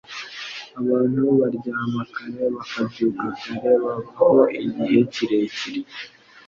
Abantu baryama kare bakabyuka kare babaho igihe kirekire.